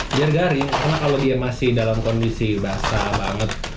biar garing karena kalau dia masih dalam kondisi basah banget